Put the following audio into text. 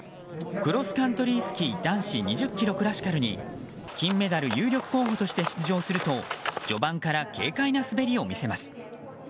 クロスカントリースキー男子２０ｋｍクラシカルに金メダル有力候補として出場すると、序盤から軽快な滑りを見せます。